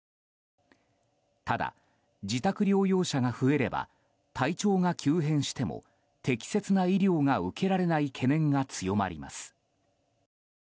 ただ、自宅療養者が増えれば体調が急変しても適切な医療が受けられない懸念が強まります。